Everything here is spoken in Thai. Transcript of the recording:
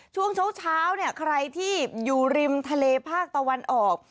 ช่วงเช้าเนี่ยใครที่อยู่ริมทะเลภาคตะวันออก